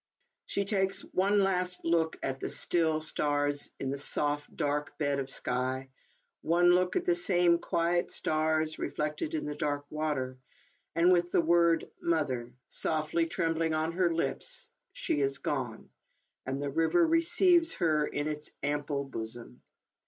She takes one last look at the still stars, in their soft, dark bed of sky, one look at the same quiet stars, reflected in the dark water, and, with the word " mother " softly trembling on her lips, she is gone, and the river receives her in its am ple bosom.